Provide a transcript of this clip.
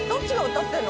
歌ってんの？